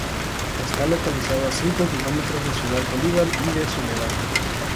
Está localizado a cinco kilómetros de Ciudad Bolívar y de Soledad.